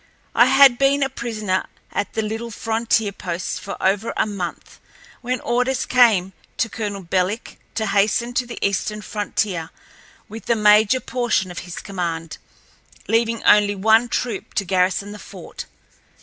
I had been a prisoner at the little frontier post for over a month, when orders came to Colonel Belik to hasten to the eastern frontier with the major portion of his command, leaving only one troop to garrison the fort.